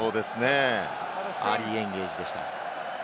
アーリーエンゲージでした。